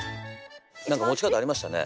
何か持ち方ありましたね。